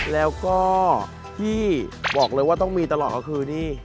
แล้วก็ที่บอกเลยว่าต้องมีตลอดก็คือนี่